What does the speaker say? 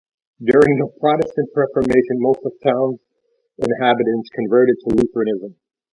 During the Protestant Reformation most of town's inhabitants converted to Lutheranism.